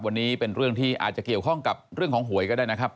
วันนี้เป็นเรื่องที่อาจจะเกี่ยวข้องกับเรื่องของหวยก็ได้นะครับ